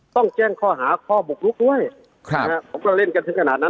ต้องแจ้งข้อหาข้อบุกลุกด้วยผมก็เล่นกันถึงขนาดนั้น